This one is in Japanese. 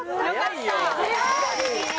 よかった！